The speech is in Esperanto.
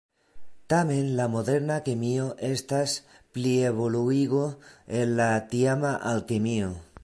Tamen la moderna kemio estas plievoluigo el la tiama alkemio.